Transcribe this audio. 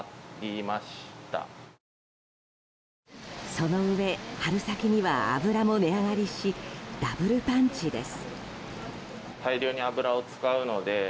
そのうえ春先には油も値上がりしダブルパンチです。